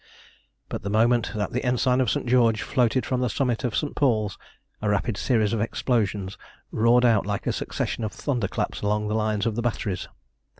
But the moment that the Ensign of St. George floated from the summit of St. Paul's a rapid series of explosions roared out like a succession of thunder claps along the lines of the batteries.